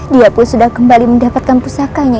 dia pun sudah kembali mendapatkan pusakanya